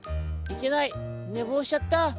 いけないねぼうしちゃった！